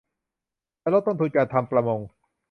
และลดต้นทุนการทำประมง